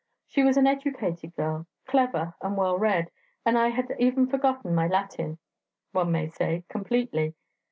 She was an educated girl, clever and well read, and I had even forgotten my Latin, one may say, completely.